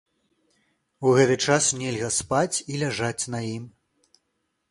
У гэты час нельга спаць і ляжаць на ім.